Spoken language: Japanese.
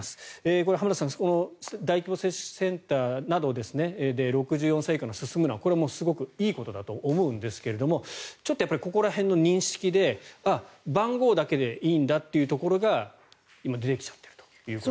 これ、浜田さん大規模接種センターなどで６４歳以下が進むのはすごくいいことだとは思うんですがちょっとここら辺の認識で番号だけでいいんだというところが今、出てきちゃっているという。